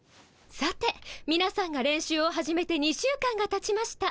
さてみなさんが練習を始めて２週間がたちました。